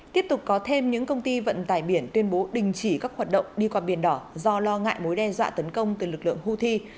tiếp tục có thêm những công ty vận tải biển tuyên bố đình chỉ các hoạt động đi qua biển đỏ do lo ngại mối đe dọa tấn công từ lực lượng houthi